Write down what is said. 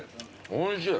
おいしい。